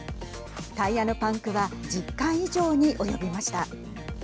タイヤのパンクは１０回以上に及びました。